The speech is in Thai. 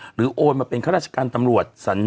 โอนมาเป็นข้าราชการตำรวจ